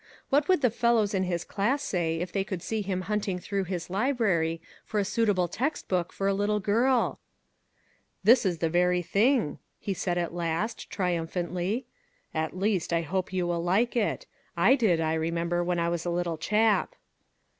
What would the fellows in his class say if they could see him hunting through his library for a suit able text book for a little girl !" This is the very thing! " he said at last, tri 67 MAG AND MARGARET umphantly; "at least, I hope you will like it; I did, I remember, when I was a little chap."